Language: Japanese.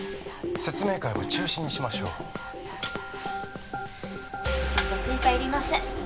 説明会は中止にしましょうご心配いりません